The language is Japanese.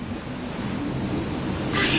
「大変！